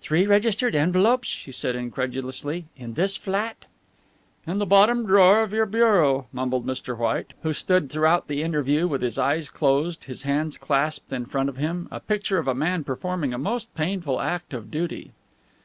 "Three registered envelopes," she said incredulously; "in this flat?" "In the bottom drawer of your bureau," mumbled Mr. White, who stood throughout the interview with his eyes closed, his hands clasped in front of him, a picture of a man performing a most painful act of duty.